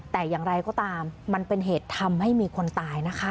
แต่อย่างไรก็ตามมันเป็นเหตุทำให้มีคนตายนะคะ